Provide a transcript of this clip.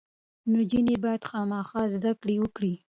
نجونې باید خامخا زده کړې وکړي.